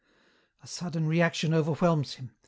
"A sudden reaction overwhelms him.